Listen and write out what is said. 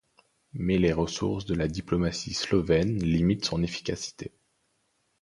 Mais les ressources de la diplomatie slovène limitent son efficacité.